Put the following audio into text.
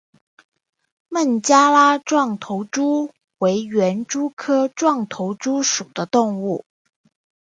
孟加拉壮头蛛为园蛛科壮头蛛属的动物。